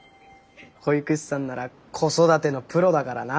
保育士さんなら子育てのプロだからな。